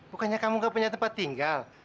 bukannya kamu gak punya tempat tinggal